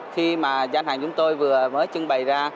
khi mà gian hàng chúng tôi vừa mới trưng bày ra